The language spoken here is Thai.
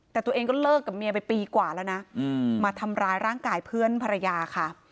แต่ตัวเองก็เลิกกับเมียไปปีกว่าแล้วนะมาทำร้ายร่างกายเพื่อนภรรยาค่ะ